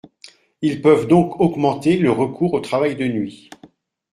Ils peuvent donc augmenter le recours au travail de nuit.